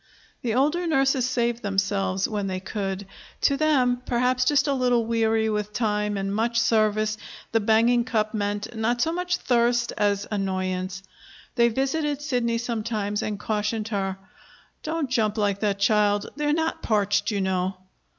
The older nurses saved themselves when they could. To them, perhaps just a little weary with time and much service, the banging cup meant not so much thirst as annoyance. They visited Sidney sometimes and cautioned her. "Don't jump like that, child; they're not parched, you know."